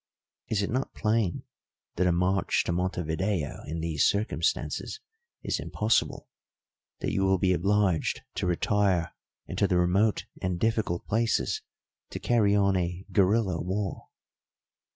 Is it not plain that a march to Montevideo in these circumstances is impossible, that you will be obliged to retire into the remote and difficult places to carry on a guerilla war?"